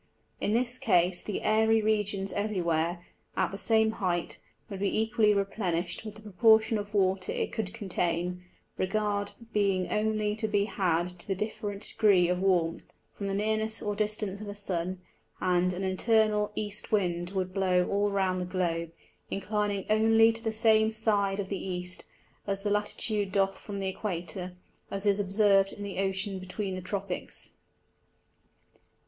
In this case the Aiery Regions every where, at the same height, would be equally replenished with the Proportion of Water it could contain, regard being only to be had to the different degree of warmth, from the nearness or distance of the Sun; and an eternal East wind would blow all round the Globe, inclining only to the same side of the East, as the Latitude doth from the Equator; as is observed in the Ocean between the Tropicks.